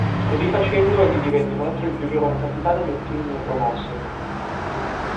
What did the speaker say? Così facendo, egli divenne inoltre il più giovane capitano di un team neopromosso.